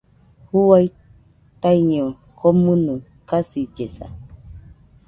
Juaɨ taiño komɨnɨ kasillesa.